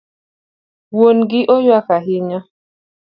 Wuon gi oywak ahinya